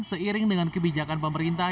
seiring dengan kebijakan pemerintah